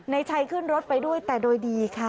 ในชัยขึ้นรถไปด้วยแต่โดยดีค่ะ